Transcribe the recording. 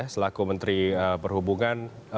selaku menteri perhubungan